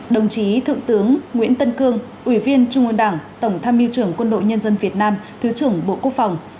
đồng chí thượng tướng nguyễn tân cương ubnd tổng tham mưu trưởng quân đội nhân dân việt nam thứ trưởng bộ quốc phòng